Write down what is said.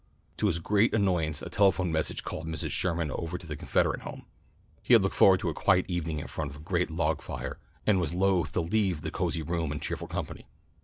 To his great annoyance a telephone message called Mr. Sherman over to the Confederate Home. He had looked forward to a quiet evening in front of the great log fire, and was loath to leave the cosy room and cheerful company.